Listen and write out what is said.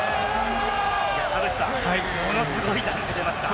ものすごいダンクが出ました。